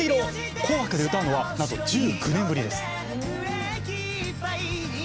「紅白」で歌うのはなんと１９年ぶりです。